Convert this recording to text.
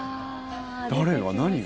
誰が？何が？